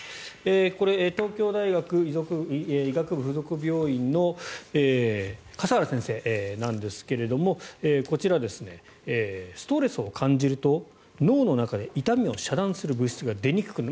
これ東京大学医学部附属病院の笠原先生なんですがこちら、ストレスを感じると脳の中で痛みを遮断する物質が出にくくなる。